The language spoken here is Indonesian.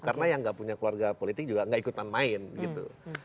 karena yang gak punya keluarga politik juga gak ikutan main gitu